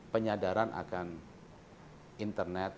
penyadaran akan internet